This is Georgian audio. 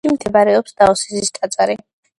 მთებში მდებარეობს დაოსიზმის ტაძარი.